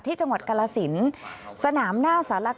ที่จังหวัดกรสินสนามหน้าสาลกลาง